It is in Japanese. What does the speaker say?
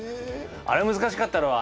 あれ難しかったろう？